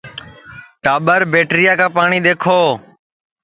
ٹاٻر بیٹریا کا پاٹؔی دؔیکھو